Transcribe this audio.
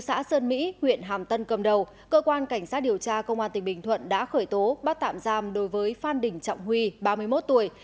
xã sơn mỹ huyện hàm tân cầm đầu cơ quan cảnh sát điều tra công an tỉnh bình thuận đã khởi tố bắt tạm giam đối với phan đình trọng huy ba mươi một tuổi